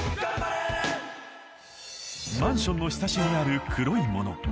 マンションのひさしにある黒いもの